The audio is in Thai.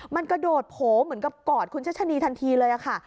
มันกระโดดโผล่เหมือนกับกอดคุณชัชนีทันทีเลยค่ะ